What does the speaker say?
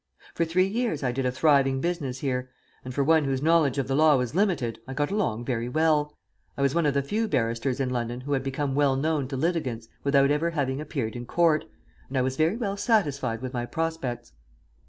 For three years I did a thriving business here, and for one whose knowledge of the law was limited I got along very well. I was one of the few barristers in London who had become well known to litigants without ever having appeared in court, and I was very well satisfied with my prospects.